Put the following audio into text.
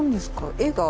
絵が。